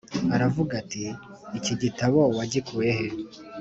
Aravuga ati iki gitabo wagikuye he‽